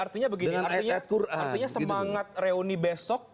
artinya semangat reuni besok